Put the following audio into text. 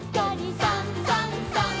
「さんさんさん」